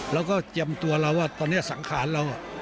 แล้วก็เตรียมตัวเราว่าตอนนี้สังขารเรา